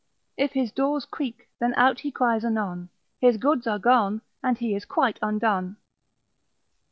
If his doors creek, then out he cries anon, His goods are gone, and he is quite undone.